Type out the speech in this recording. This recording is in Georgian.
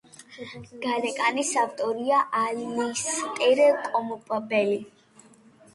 გარეკანის ავტორია ალისტერ კემპბელი.